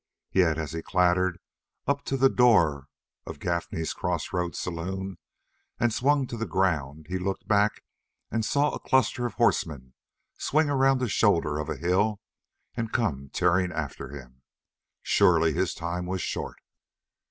Yet as he clattered up to the door of Gaffney's crossroads saloon and swung to the ground he looked back and saw a cluster of horsemen swing around the shoulder of a hill and come tearing after him. Surely his time was short.